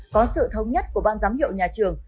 có sự thống nhất của ban giám hiệu nhà trường